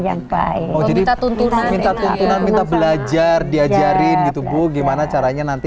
pengelolaan yang baik minta tuntunan minta belajar diajarin gitu bu gimana caranya nanti